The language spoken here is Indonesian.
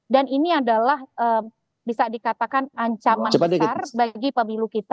dan ini adalah bisa dikatakan ancaman besar bagi pemilu kita